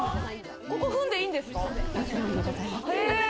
ここ踏んでいいんですか？